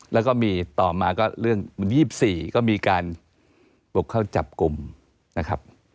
แล้วก็มีต่อมาก็เรื่อง๒๔ก็มีการบุกเข้าจับกลุ่มนะครับ